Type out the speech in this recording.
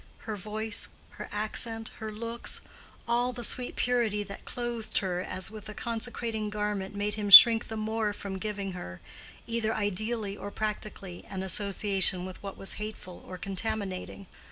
Her voice, her accent, her looks—all the sweet purity that clothed her as with a consecrating garment made him shrink the more from giving her, either ideally or practically, an association with what was hateful or contaminating.